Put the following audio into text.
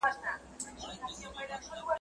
تر مړه زمري، ژوندى گيدړ لا ښه دئ.